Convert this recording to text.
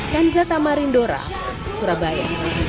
kanjata marindora surabaya